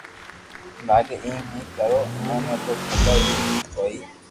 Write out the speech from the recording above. لاگي ايم ھي ڪرو اموني تو خبر ھي ڪوئي